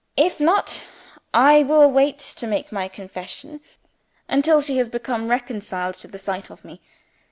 If not, I will wait to make my confession until she has become reconciled to the sight of me.